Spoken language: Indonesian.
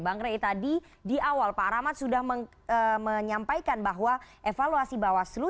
bang ray tadi di awal pak rahmat sudah menyampaikan bahwa evaluasi bawah seluruh